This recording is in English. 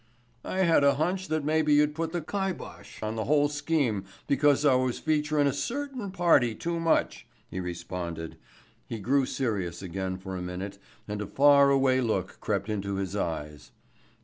"I had a hunch that maybe you'd put the kibosh on the whole scheme because I was featurin' a certain party too much," he responded. He grew serious again for a minute and a far away look crept into his eyes.